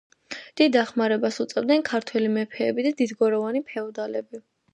დიდ დახმარებას უწევდნენ ქართველი მეფეები და დიდგვარიანი ფეოდალები.